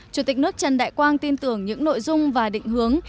chủ tịch nước trần đại quang tin tưởng những nội dung và định hướng